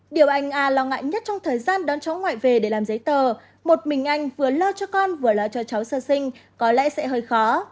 điều anh a lo ngại nhất trong thời gian đón cháu ngoại về để làm giấy tờ một mình anh vừa lo cho con vừa lo cho cháu sơ sinh có lẽ sẽ hơi khó